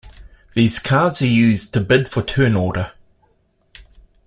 These cards are used to bid for turn order.